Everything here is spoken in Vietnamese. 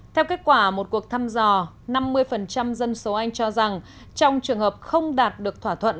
theo kết quả một cuộc thăm dò năm mươi dân số anh cho rằng trong trường hợp không đạt được thỏa thuận